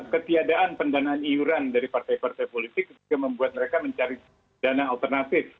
ketiadaan pendanaan iuran dari partai partai politik juga membuat mereka mencari dana alternatif